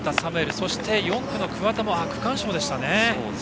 そして４区の桑田も区間賞でしたね。